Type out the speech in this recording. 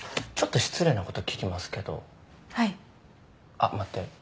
あっ待って。